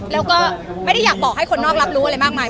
แล้วก็ไม่ได้อยากบอกให้คนนอกรับรู้อะไรมากมาย